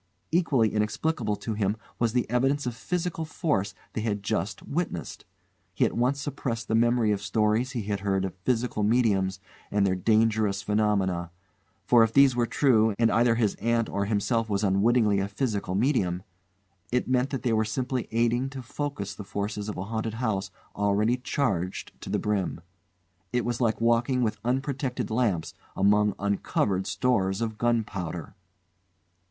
Equally inexplicable to him was the evidence of physical force they had just witnessed. He at once suppressed the memory of stories he had heard of "physical mediums" and their dangerous phenomena; for if these were true, and either his aunt or himself was unwittingly a physical medium, it meant that they were simply aiding to focus the forces of a haunted house already charged to the brim. It was like walking with unprotected lamps among uncovered stores of gun powder.